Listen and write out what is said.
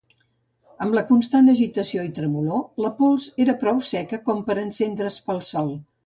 Amb la constant agitació i tremolor, la pols era prou seca com per encendre's pel sol.